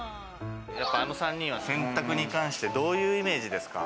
あの３人は洗濯に関して、どういうイメージですか？